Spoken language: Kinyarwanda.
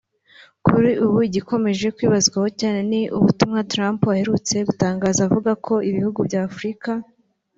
Kuri ubu igikomeje kwibazwaho cyane ni ubutumwa Trump aherutse gutangaza avuga ko ibihugu bya Afurika